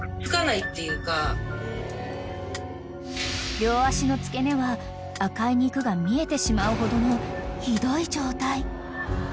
［両足の付け根は赤い肉が見えてしまうほどのひどい状態］